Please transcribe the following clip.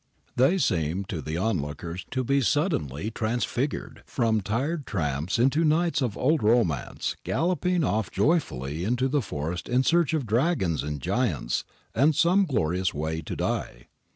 They seemed to the onlookers to be suddenly transfigured from tired tramps into knights of old romance galloping off joyfully into the forest in search of dragons and giants and some glorious way to die.